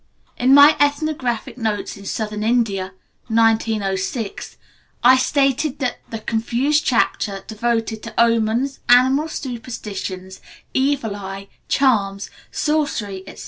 In my "Ethnographic Notes in Southern India" (1906), I stated that the confused chapter devoted to omens, animal superstitions, evil eye, charms, sorcery, etc.